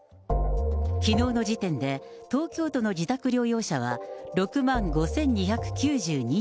きのうの時点で、東京都の自宅療養者は６万５２９２人。